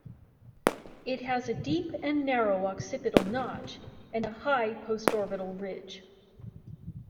It has a deep and narrow occipital notch and a high postorbital ridge.